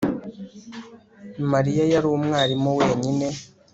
Mariya yari umwarimu wenyine